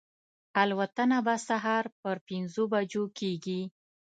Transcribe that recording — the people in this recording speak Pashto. الوتنه به سهار پر پنځو بجو کېږي.